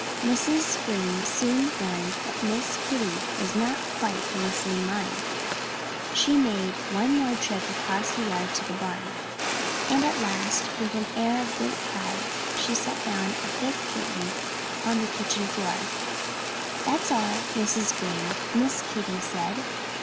Mrs. Green soon learned that Miss Kitty Cat was not quite of the same mind. She made one more trip across the yard to the barn. And at last, with an air of great pride she set down a fifth kitten upon the kitchen floor. "That's all, Mrs. Green," Miss Kitty said.